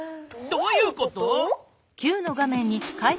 どういうこと？